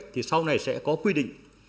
thì sau này sẽ có quy định